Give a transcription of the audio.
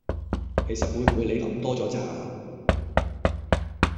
其實會唔會你諗多咗咋？